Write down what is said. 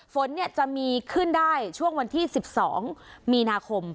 ฝนจะมีขึ้นได้ช่วงวันที่๑๒มีนาคม